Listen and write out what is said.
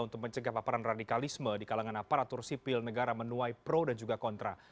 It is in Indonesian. untuk mencegah paparan radikalisme di kalangan aparatur sipil negara menuai pro dan juga kontra